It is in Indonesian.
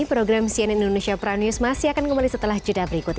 program cnn indonesia pranews masih akan kembali setelah jeda berikut ini